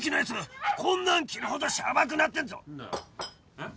えっ？